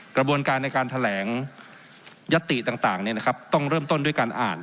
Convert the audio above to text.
กระบวนการในการแถลงยัตติต่างต้องเริ่มต้นด้วยการอ่าน